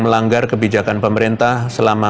melanggar kebijakan pemerintah selama